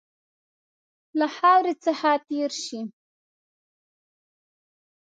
له خاوري څخه تېر شي.